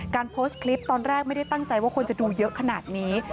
โพสต์คลิปตอนแรกไม่ได้ตั้งใจว่าคนจะดูเยอะขนาดนี้